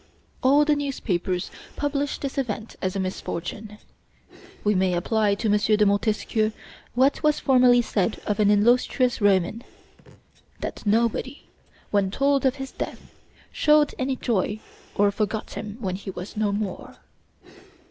All the newspapers published this event as a misfortune. We may apply to M. de Montesquieu what was formerly said of an illustrious Roman: that nobody, when told of his death, showed any joy or forgot him when he was no more.